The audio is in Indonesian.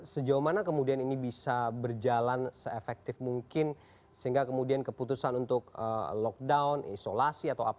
sejauh mana kemudian ini bisa berjalan se efektif mungkin sehingga kemudian keputusan untuk lockdown isolasi atau apa